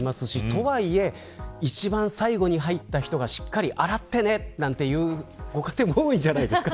とはいえ、一番最後に入った人がしっかり洗ってね、というご家庭も多いじゃないですか。